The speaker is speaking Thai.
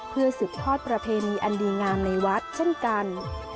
เพื่อสืบทอดประเพณีอันดีงามในวัดเช่นกัน